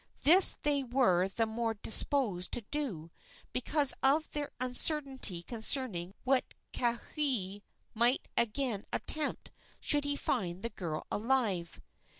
This they were the more disposed to do because of their uncertainty concerning what Kauhi might again attempt should he find the girl alive.